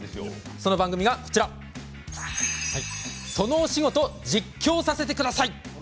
その番組が「そのお仕事、実況させてください！」。